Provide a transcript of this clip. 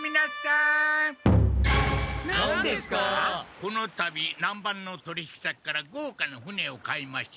このたび南蛮の取引先からごうかな船を買いまして。